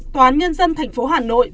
tòa án nhân dân thành phố hà nội